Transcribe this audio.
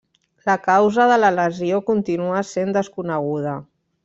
La causa de la lesió continua sent desconeguda.